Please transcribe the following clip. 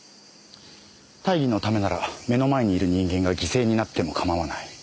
大義のためなら目の前にいる人間が犠牲になってもかまわない。